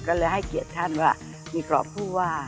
ก็เลยให้เกียรติท่านว่ามีกรอบผู้ว่า